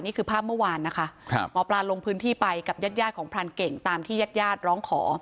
นี่คือภาพเมื่อวานนะคะหมอปลาลงพื้นที่ไปกับญาติยาดของพรานเก่งตามที่ญาติญาติร้องขอ